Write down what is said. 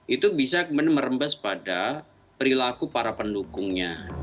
itu bisa merembes pada perilaku para pendukungnya